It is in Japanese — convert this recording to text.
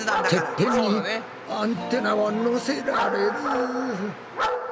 てっぺんにアンテナはのせられず。